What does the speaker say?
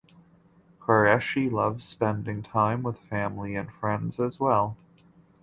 Qureshi loves spending time with family and friends as well.